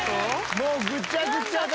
もうぐちゃぐちゃだ。